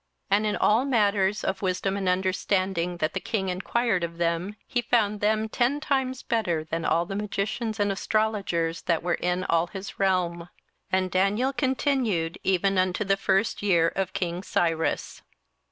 27:001:020 And in all matters of wisdom and understanding, that the king enquired of them, he found them ten times better than all the magicians and astrologers that were in all his realm. 27:001:021 And Daniel continued even unto the first year of king Cyrus.